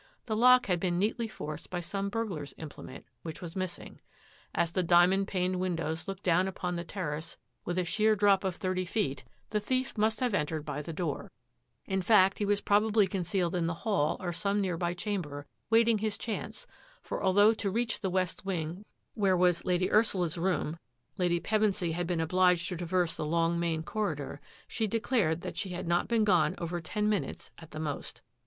The lock had been neatly forced by some burglar's implement, which was missing. As the diamond paned windows looked down upon the terrace with a sheer drop of thirty feet, the thief CLAVERING TAKES THE FIELD must have entered by the door; in fact, he probably concealed in the hall or some ne chamber, waiting Jiis chance, for although to i the west wing where was Lady Ursula's room ] Pevensy had been obliged to traverse the main corridor, she declared that she had not gone over ten minutes at the most.